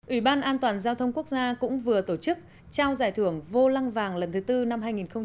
ủy ban an toàn giao thông quốc gia cũng vừa tổ chức trao giải thưởng vô lăng vàng lần thứ tư năm hai nghìn một mươi chín